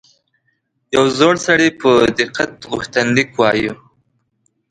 یو زوړ سړي په دقت غوښتنلیک وایه.